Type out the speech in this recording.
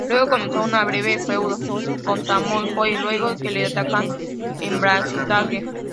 Luego comenzó un breve feudo con Samoa Joe luego que le atacara en Backstage.